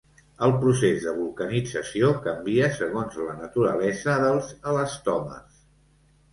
El procés de vulcanització canvia segons la naturalesa dels elastòmers.